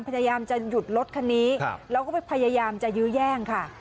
พยายามจะหยุดรถคันนี้แล้วก็ไปพยายามจะยื้อแย่งค่ะ